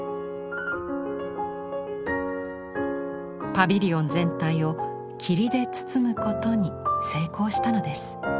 パビリオン全体を霧で包むことに成功したのです。